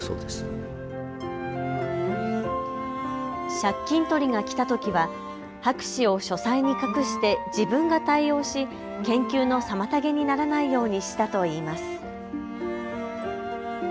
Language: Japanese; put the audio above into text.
借金取りが来たときは博士を書斎に隠して自分が対応し研究の妨げにならないようにしたといいます。